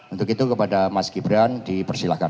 untuk itu kepada mas gibran dipersilahkan